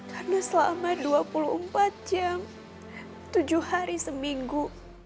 karena selama dua puluh empat jam tujuh hari seminggu